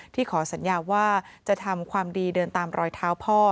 ขอสัญญาว่าจะทำความดีเดินตามรอยเท้าพ่อ